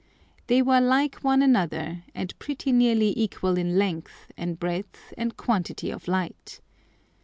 They were like one another, and pretty nearly equal in length, and breadth, and quantity of Light.